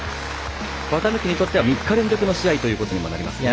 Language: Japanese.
綿貫にとっては３日連続の試合になりますね。